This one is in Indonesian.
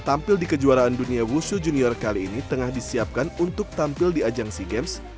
tampil di kejuaraan dunia wusu junior kali ini tengah disiapkan untuk tampil di ajang sea games